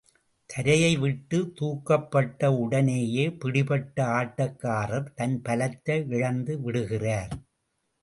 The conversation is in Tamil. தரையை விட்டு தூக்கப்பட்ட உடனேயே பிடிபட்ட ஆட்டக்காரர் தன் பலத்தை இழந்து விடுகிறார்.